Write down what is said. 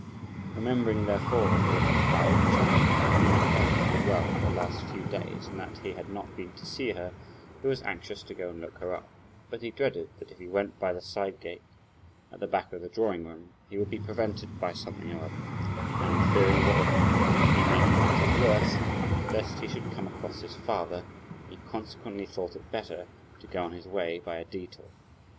Remembering therefore that Pao Ch'ai had been at home unwell for the last few days, and that he had not been to see her, he was anxious to go and look her up, but he dreaded that if he went by the side gate, at the back of the drawing room, he would be prevented by something or other, and fearing, what would be making matters worse, lest he should come across his father, he consequently thought it better to go on his way by a detour.